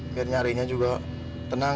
biar nyarinya juga tenang